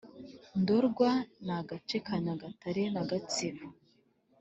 Ndorwa Ni agace ka Nyagatare na Gatsibo